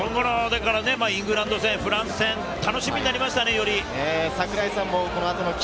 イングランド戦、フランス戦、より楽しみになりましたね。